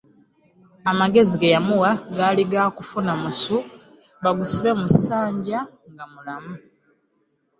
Amagezi ge yamuwa gaali ga kufuna musu bagusibe mu ssanja nga mulamu.